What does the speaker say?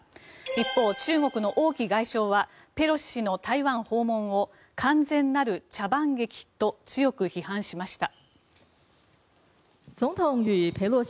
一方、中国の王毅外相はペロシ氏の台湾訪問を完全なる茶番劇と強く批判しました。